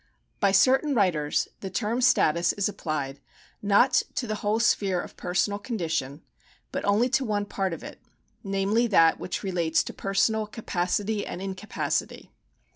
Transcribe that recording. By certain writers the term status is applied not to the whole sphere of personal condition, but only to one part of it, namely that which relates to personal capacity and incapacity.